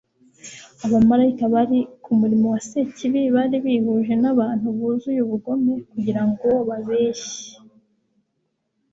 Abamaraika bari ku murimo wa sekibi bari bihuje n'abantu buzuye ubugome kugira ngo babeshye